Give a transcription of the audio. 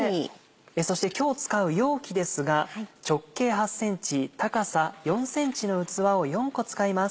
そして今日使う容器ですが直径８ｃｍ高さ４ｃｍの器を４個使います。